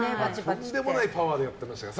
とんでもないパワーでやってましたから。